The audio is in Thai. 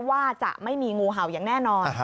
ว่าจะไม่มีงูเห่าอย่างแน่นอน